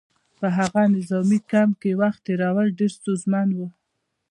په هغه نظامي کمپ کې وخت تېرول ډېر ستونزمن وو